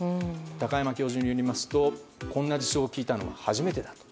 高山教授によりますとこんな事象を聞いたのは初めてだ。